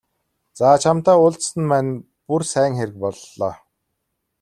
За чамтай уулзсан маань бүр сайн хэрэг боллоо.